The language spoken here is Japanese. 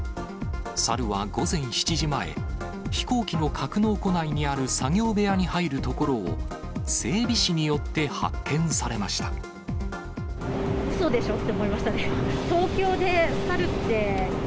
猿は午前７時前、飛行機の格納庫内にある作業部屋に入るところを、整備士によってうそでしょって思いましたね。